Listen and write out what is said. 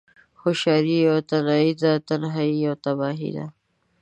هوشیاری یوه تنهایی ده، تنهایی یوه تباهی ده